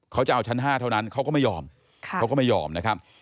เขาจะเอาชั้น๕เท่านั้นเขาก็ไม่ยอมนะครับ